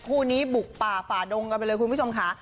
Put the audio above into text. คู่นี้บุกป่าฝ่าดงกันไปเลยคุณผู้ชมค่ะ